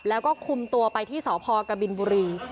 แล้วก็คุมตัวไปที่สพกบินบุรี